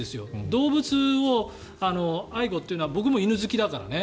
動物を愛護というのは僕も犬好きだからね。